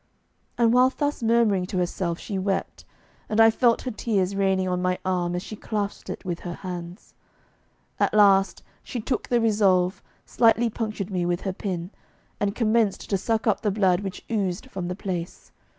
And while thus murmuring to herself she wept, and I felt her tears raining on my arm as she clasped it with her hands. At last she took the resolve, slightly punctured me with her pin, and commenced to suck up the blood which oozed from the place.